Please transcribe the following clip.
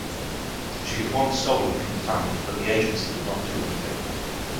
She had once stolen from the family but the agency did not do anything.